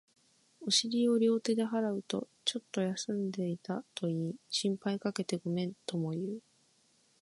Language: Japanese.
お尻を両手で払うと、ちょっと休んでいたと言い、心配かけてごめんとも言う